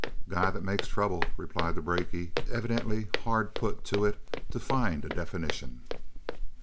"A guy that makes trouble," replied the brakie, evidently hard put to it to find a definition.